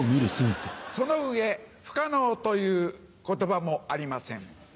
その上「不可能」という言葉もありません。